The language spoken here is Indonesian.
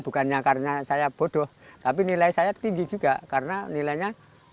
bukannya karena saya bodoh tapi nilai saya tinggi juga karena nilainya delapan delapan sembilan